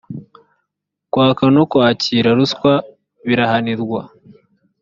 kwaka no kwakira ruswa birahanirwa